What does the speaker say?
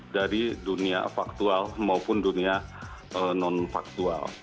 dari dunia faktual maupun dunia non faktual